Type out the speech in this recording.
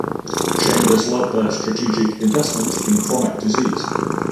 Chambers led their "Strategic Investment in Chronic Disease".